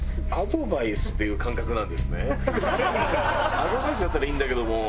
アドバイスだったらいいんだけども。